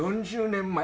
４０年前。